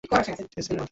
Jassy নয়, jazz.